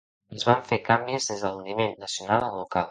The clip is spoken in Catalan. Es van fer canvis des del nivell nacional al local.